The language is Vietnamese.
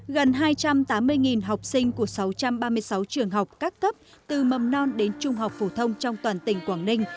gần hai trăm tám mươi học sinh của sáu trăm ba mươi sáu trường học các cấp từ mầm non đến trung học phổ thông trong toàn tỉnh quảng ninh